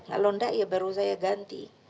kalau enggak ya baru saya ganti